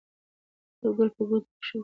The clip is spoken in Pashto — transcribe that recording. يو ګل په ګوتو کښې اکثر ګرځوو